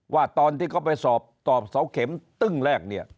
ว่าตอนที่เขาไปสอบตอบเสาเข็มตึ้งแรกเนี่ย